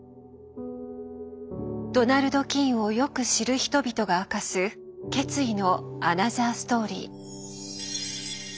ドナルド・キーンをよく知る人々が明かす決意のアナザーストーリー。